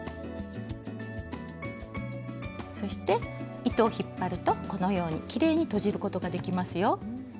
そして糸を引っ張るとこのようにきれいにとじることができますよ。